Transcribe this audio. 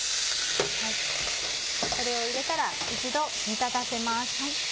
これを入れたら一度煮立たせます。